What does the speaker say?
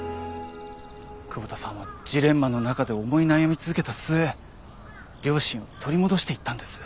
窪田さんはジレンマの中で思い悩み続けた末良心を取り戻していったんです。